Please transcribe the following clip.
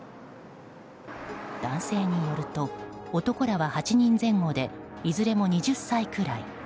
男性によると、男らは８人前後でいずれも２０歳くらい。